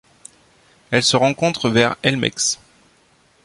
Elle se rencontre vers El Mex.